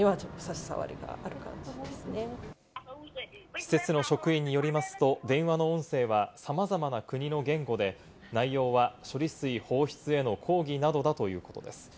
施設の職員によりますと、電話の音声は、さまざまな国の言語で、内容は処理水放出への抗議などだということです。